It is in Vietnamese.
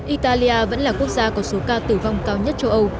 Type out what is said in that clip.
italia vẫn là quốc gia có số ca tử vong cao nhất châu âu